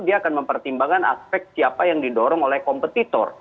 dia akan mempertimbangkan aspek siapa yang didorong oleh kompetitor